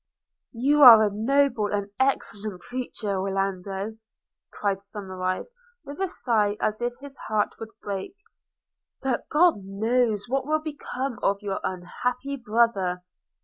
'You are a noble and excellent creature, Orlando,' cried Somerive, with a sigh as if his heart would break; 'but God knows what will become of your unhappy brother.